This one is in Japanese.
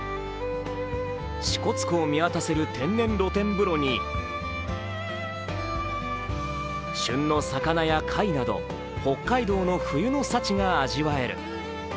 支笏湖を見渡せる天然露天風呂に旬の魚や貝など北海道の冬の幸が味わえる。